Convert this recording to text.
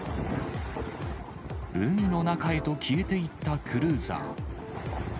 海の中へと消えていったクルーザー。